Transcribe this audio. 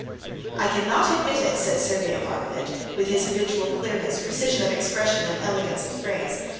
"I cannot admit it," said Sergey Ivanovitch, with his habitual clearness, precision of expression, and elegance of phrase.